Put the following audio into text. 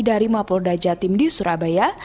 dari mapolda jawa timur surabaya